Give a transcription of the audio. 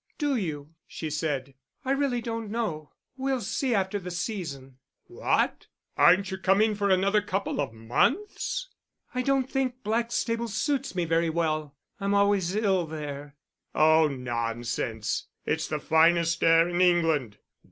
"Do you?" she said. "I really don't know. We'll see after the season." "What? Aren't you coming for another couple of months?" "I don't think Blackstable suits me very well. I'm always ill there." "Oh, nonsense. It's the finest air in England.